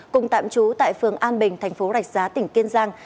cùng tạm trú tại phường an bình tp rạch giá tỉnh kiên giang